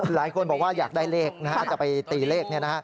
หลายคนบอกว่าอยากได้เลขจะไปตีเลข